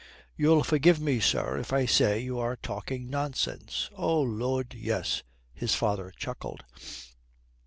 "You'll forgive me, sir, if I say you are talking nonsense." "Oh Lud, yes," his father chuckled.